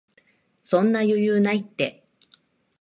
そんな余裕ないって